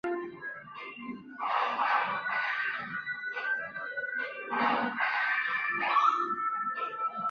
拓灰蝶属是灰蝶科眼灰蝶亚科中的一个属。